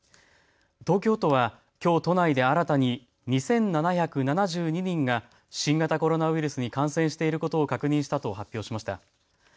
東京都はきょう都内で新たに２７７２人が新型コロナウイルスに感染していることを確認したと発表しました。